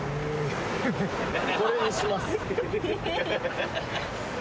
これにします。